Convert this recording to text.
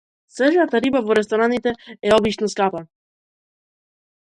Свежата риба во рестораните е обично скапа.